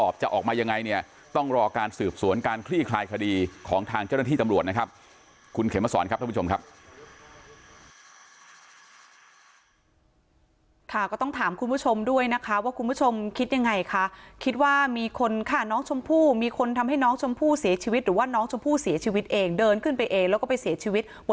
เป็นการคลี่คลายคดีของทางเจ้าหน้าที่ตำรวจนะครับ